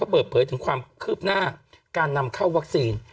เปิดเผยถึงความคืบหน้าการนำเข้าวัคซีน